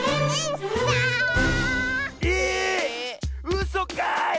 うそかい！